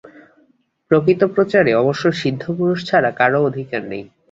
প্রকৃত প্রচারে অবশ্য সিদ্ধপুরুষ ছাড়া কারও অধিকার নেই।